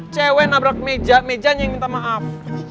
cewek nabrak meja mejanya yang minta maaf